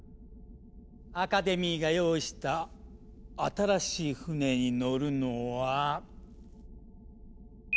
アカデミーが用意した新しい船に乗るのは。